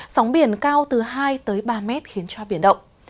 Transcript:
sóng biển cao từ hai ba m khiến cho biển động